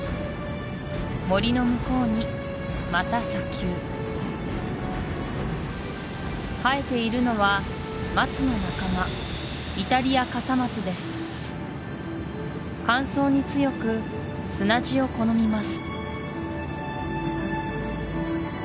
森の向こうにまた砂丘生えているのは松の仲間乾燥に強く砂地を好みます